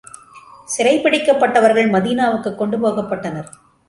சிறை பிடிக்கப்பட்டவர்கள் மதீனாவுக்குக் கொண்டு போகப்பட்டனர்.